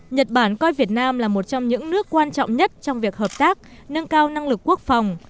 nhật bản coi việt nam là một trong những nước quan trọng nhất trong việc hợp tác nâng cao năng lực quốc phòng